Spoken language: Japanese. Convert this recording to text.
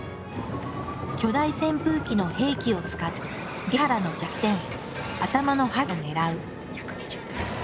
巨大扇風機の兵器を使ってゲハラの弱点頭のハゲを狙う。